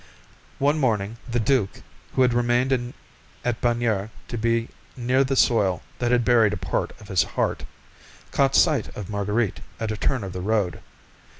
One morning, the duke, who had remained at Bagnères to be near the soil that had buried a part of his heart, caught sight of Marguerite at a turn of the road.